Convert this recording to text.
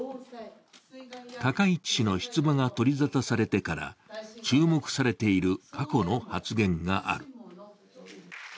高市氏の出馬が取りざたされてから注目されている過去の発言がある。